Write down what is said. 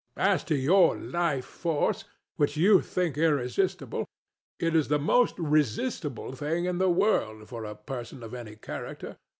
As to your Life Force, which you think irresistible, it is the most resistible thing in the world for a person of any character.